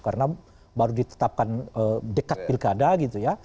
karena baru ditetapkan dekat pilkada gitu ya